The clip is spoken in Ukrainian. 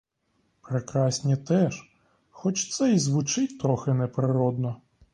Прекрасні теж, хоч це й звучить трохи неприродно.